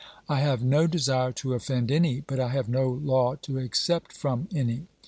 I have no desire to offend any, but I have no law to accept from any.